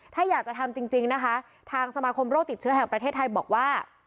ถ้าอยากจะทำจริงนะคะทางสมาคมโรคติดเชื้อแห่งประเทศไทยบอกว่า